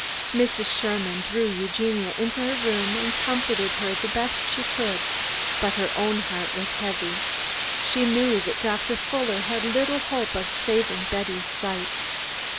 Mrs. Sherman drew Eugenia into her room and comforted her the best she could, but her own heart was heavy. She knew that Doctor Fuller had little hope of saving Betty's sight.